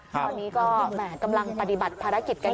ตอนนี้ก็กำลังปฏิบัติภารกิจกัน